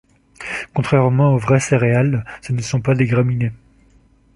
Contrairement aux vraies céréales, ce ne sont pas des graminées.